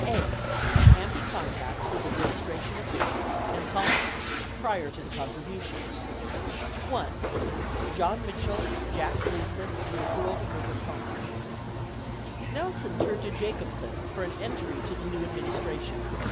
A. AMPI Contacts With Administration Officials and Kalmbach Prior to the Contribution 1. JOHN MITCHELL, J ACK GLEASON AND REFERRAL TO HERBERT KALMBACH Nelson turned to Jacobsen for an entree to the new administration.